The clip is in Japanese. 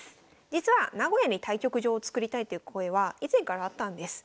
実は名古屋に対局場を作りたいという声は以前からあったんです。